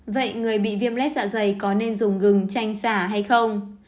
vậy người bị viêm lết dạ dày có nên dùng gừng chanh xả hay không